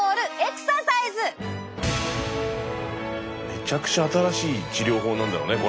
めちゃくちゃ新しい治療法なんだろうねこれ。